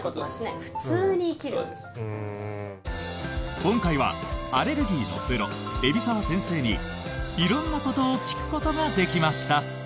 今回はアレルギーのプロ海老澤先生に色んなことを聞くことができました。